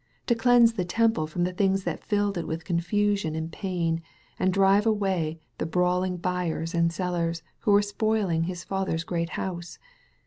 To cleanse the Tem ple from the things that filled it with confusion and pain, and drive away the brawling buyers and sellers who were spoiling his Father's great house!